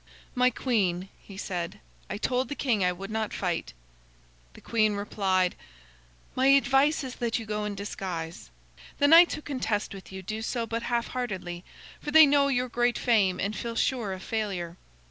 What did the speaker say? "My queen," he said, "I told the king I would not fight." The queen replied: "My advice is that you go in disguise. The knights who contest with you do so but half heartedly, for they know your great fame and feel sure of failure.